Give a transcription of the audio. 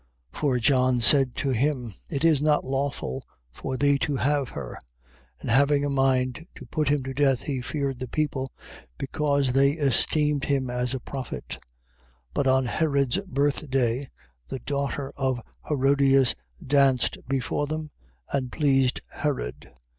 14:4. For John said to him: It is not lawful for thee to have her. 14:5. And having a mind to put him to death, he feared the people: because they esteemed him as a prophet. 14:6. But on Herod's birthday, the daughter of Herodias danced before them: and pleased Herod.